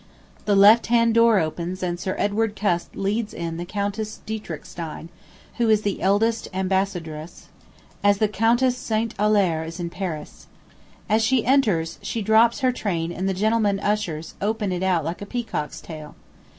The left hand door opens and Sir Edward Cust leads in the Countess Dietrichstein, who is the eldest Ambassadress, as the Countess St. Aulair is in Paris. As she enters she drops her train and the gentlemen ushers open it out like a peacock's tail.